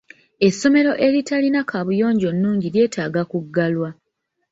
Essomero eritalina kaabuyonjo nnungi lyetaaga kuggalwa.